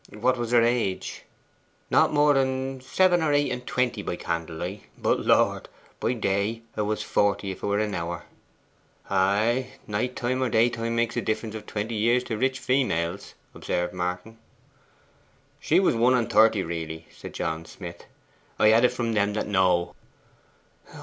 'What was her age?' 'Not more than seven or eight and twenty by candlelight. But, Lord! by day 'a was forty if 'a were an hour.' 'Ay, night time or day time makes a difference of twenty years to rich feymels,' observed Martin. 'She was one and thirty really,' said John Smith. 'I had it from them that know.